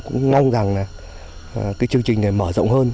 cũng mong rằng là cái chương trình này mở rộng hơn